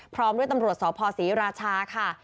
พร้อมด้วยตำรวจสพศรีราชาค่ะ